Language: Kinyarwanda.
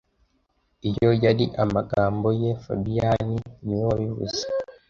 Iyo yari amagambo ye fabien niwe wabivuze